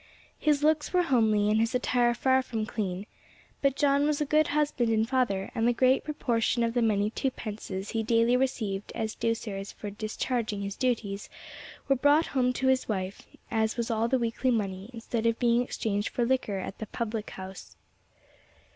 His looks were homely, and his attire far from clean; but John was a good husband and father, and the great proportion of the many twopences he daily received as douceurs for discharging his duties were brought home to his wife, as was all the weekly money, instead of being exchanged for liquor at the public house.